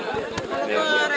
kalau ke relawannya mas gibran